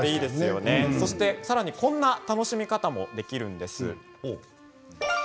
さらにこんな楽しみ方もできるんです。